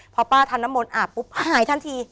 พอป้าทำน้ำมนต์อาบปุ๊บหายทันที